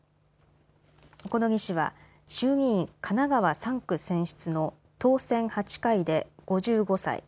小此木氏は衆議院神奈川３区選出の当選８回で、５５歳。